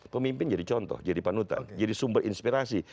pemimpin jadi contoh jadi panutan jadi sumber inspirasi